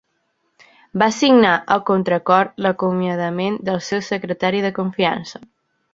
Va signar a contracor l'acomiadament del seu secretari de confiança.